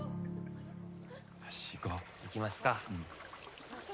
いきますか。